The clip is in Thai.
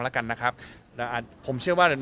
ว่าน้องจะต้องพูดอย่างอืม